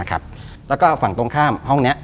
แล้วก็ฝั่งตรงข้ามห้องนี้